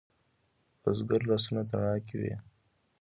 د بزګر لاسونه تڼاکې وي.